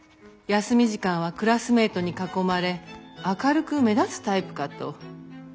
休み時間はクラスメートに囲まれ明るく目立つタイプかと。